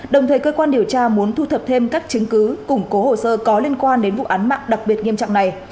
đồng thời cơ quan điều tra muốn thu thập thêm các chứng cứ củng cố hồ sơ có liên quan đến vụ án mạng đặc biệt nghiêm trọng này